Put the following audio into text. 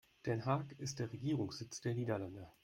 Den Haag ist der Regierungssitz der Niederlande.